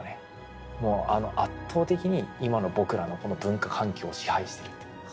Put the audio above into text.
もう圧倒的に今の僕らのこの文化環境を支配してるという。